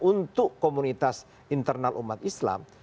untuk komunitas internal umat islam